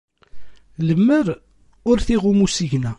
Lemmer ur t-iɣum usigna.